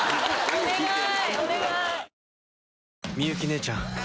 お願い！